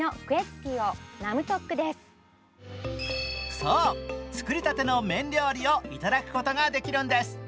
そう、作りたての麺料理をいただくことができるんです。